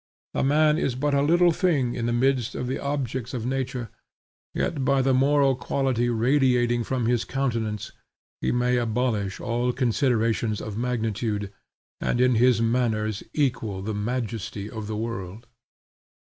A man is but a little thing in the midst of the objects of nature, yet, by the moral quality radiating from his countenance he may abolish all considerations of magnitude, and in his manners equal the majesty of the world.